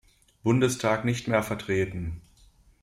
Bundestag nicht mehr vertreten.